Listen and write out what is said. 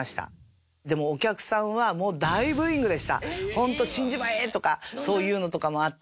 ホント「死んじまえ！」とかそういうのとかもあって。